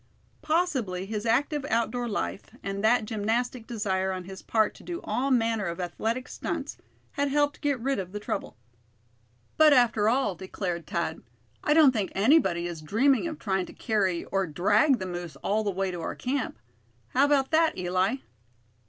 Possibly his active outdoor life, and that gymnastic desire on his part to do all manner of athletic stunts had helped get rid of the trouble. "But after all," declared Thad, "I don't think anybody is dreaming of trying to carry, or drag the moose all the way to our camp. How about that, Eli?"